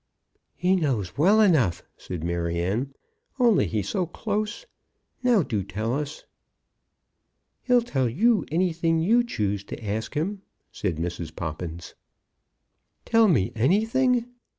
"He knows well enough," said Maryanne, "only he's so close. Now do tell us." "He'll tell you anything you choose to ask him," said Mrs. Poppins. "Tell me anything!